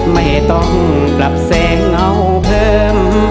ไม่ต้องปรับแสงเงาเพิ่ม